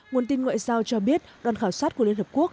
nguồn tin ngoại giao cho biết đoàn khảo sát của liên hợp quốc